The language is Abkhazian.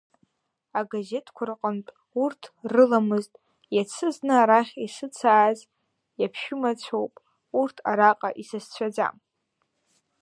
Агазеҭқәа рҟнытә урҭ рыламызт иацы зны арахь исыцааз, иаԥшәымацәоуп, урҭ араҟа исасцәаӡам.